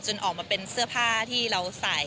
ออกมาเป็นเสื้อผ้าที่เราใส่